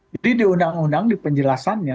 jadi di undang undang di penjelasannya